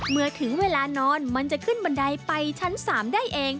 เมื่อถึงเวลานอนมันจะขึ้นบันไดไปชั้น๓ได้เอง